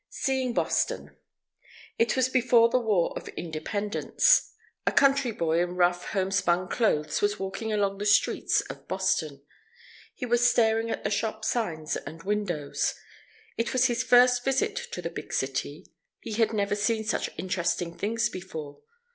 SEEING BOSTON It was before the War for Independence. A country boy in rough homespun clothes was walking along the streets of Boston. He was staring at the shop signs and windows. It was his first visit to the big city. He had never seen such interesting things before.